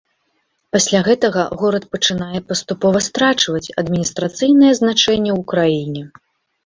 Пасля гэтага горад пачынае паступова страчваць адміністрацыйнае значэнне ў краіне.